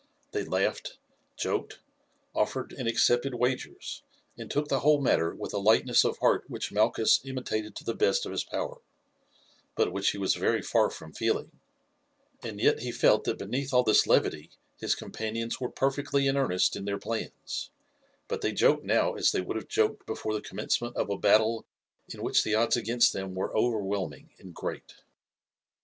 They laughed, joked, offered and accepted wagers and took the whole matter with a lightness of heart which Malchus imitated to the best of his power, but which he was very far from feeling; and yet he felt that beneath all this levity his companions were perfectly in earnest in their plans, but they joked now as they would have joked before the commencement of a battle in which the odds against them were overwhelming and great.